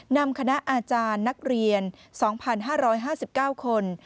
นำคณะอาจารย์นักเรียน๒๕๕๙คน